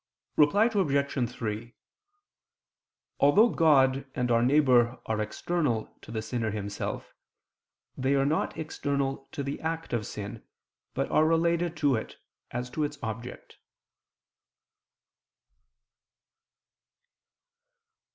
Reply Obj. 3: Although God and our neighbor are external to the sinner himself, they are not external to the act of sin, but are related to it as to its object.